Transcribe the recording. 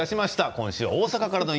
今週は大阪から。